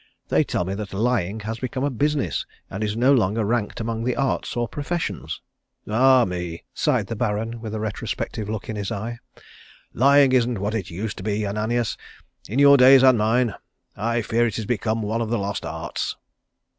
They tell me that lying has become a business and is no longer ranked among the Arts or Professions." "Ah me!" sighed the Baron with a retrospective look in his eye, "lying isn't what it used to be, Ananias, in your days and mine. I fear it has become one of the lost arts."